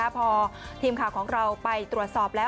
พอทีมข่าวของเราไปตรวจสอบแล้ว